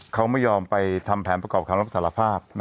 เขาไม่ยอมไปทำแผนประกอบคำรับสารภาพ